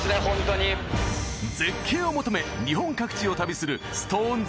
絶景を求め日本各地を旅するＳｉｘＴＯＮＥＳ